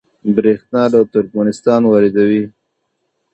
بریښنا له ترکمنستان واردوي